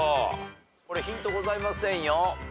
これヒントございませんよ。